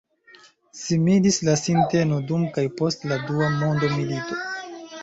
Similis la sinteno dum kaj post la dua mondomilito.